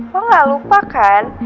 lo enggak lupa kan